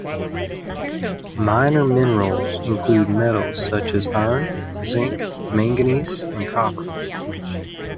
"Minor minerals" include metals such as iron, zinc, manganese and copper.